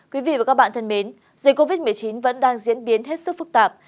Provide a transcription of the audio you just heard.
quý vị và các bạn thân mến dịch covid một mươi chín vẫn đang diễn biến hết sức phức tạp